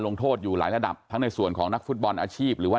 โทษอยู่หลายระดับทั้งในส่วนของนักฟุตบอลอาชีพหรือว่า